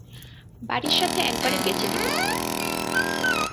বাড়ির সাথে একবারে বেচে দিবো।